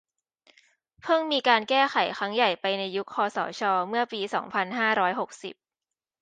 เพิ่งมีการแก้ไขครั้งใหญ่ไปในยุคคสช เมื่อปี สองพันห้าร้อยหกสิบ